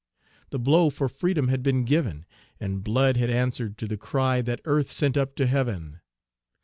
The blow for freedom had been given; And blood had answered to the cry That earth sent up to Heaven!